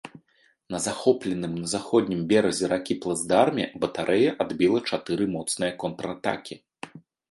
На захопленым на заходнім беразе ракі плацдарме батарэя адбіла чатыры моцныя контратакі.